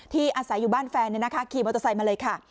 อาศัยอยู่บ้านแฟนขี่มอเตอร์ไซค์มาเลยค่ะ